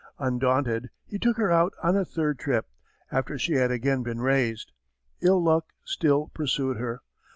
Undaunted he took her out on a third trip after she had again been raised. Ill luck still pursued her.